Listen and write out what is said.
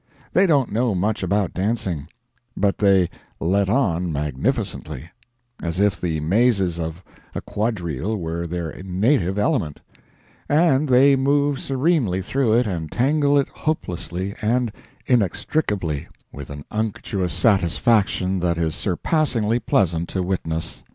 They don't know much about dancing, but they "let on" magnificently, as if the mazes of a quadrille were their native element, and they move serenely through it and tangle it hopelessly and inextricably, with an unctuous satisfaction that is surpassingly pleasant to witness.